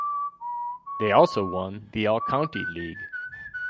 They also won the All-County League.